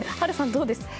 どうですか？